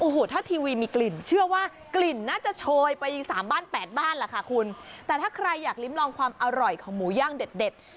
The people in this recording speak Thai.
โอ้โหถ้าทีวีมีกลิ่นเชื่อว่ากลิ่นน่าจะโชยไปสามบ้านแปดบ้านล่ะค่ะคุณแต่ถ้าใครอยากลิ้มลองความอร่อยของหมูย่างเด็ดเด็ด